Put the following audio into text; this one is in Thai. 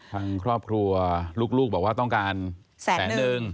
ทางครอบครัวลูกบอกว่าต้องการแสนนึง